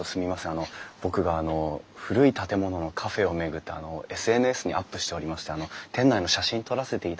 あの僕があの古い建物のカフェを巡ってＳＮＳにアップしておりまして店内の写真撮らせていただいてもよろしいですか？